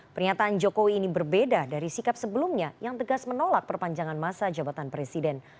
pernyataan jokowi ini berbeda dari sikap sebelumnya yang tegas menolak perpanjangan masa jabatan presiden